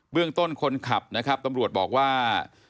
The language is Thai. เบื้องต้นคนขับตำรวจบอกว่า